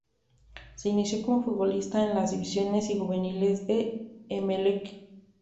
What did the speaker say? Se inició como futbolista en las divisiones juveniles del Emelec.